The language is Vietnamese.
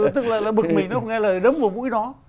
tức là bực mình nó cũng nghe lời đấm vào mũi nó